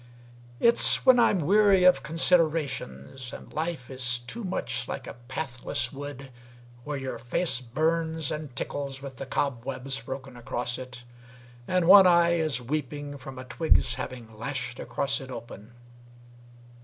It's when I'm weary of considerations, And life is too much like a pathless wood Where your face burns and tickles with the cobwebs Broken across it, and one eye is weeping From a twig's having lashed across it open.